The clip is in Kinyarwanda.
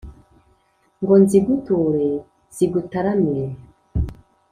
ngo nziguture zigutaramire